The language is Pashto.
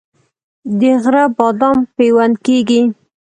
د غره بادام پیوند کیږي؟